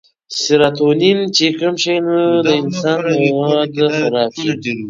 سيراټونين چې کم شي نو د انسان موډ خراب شي